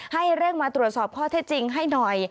ให้เร่งมาตรวจสอบข้อเท็จจริงให้หน่อย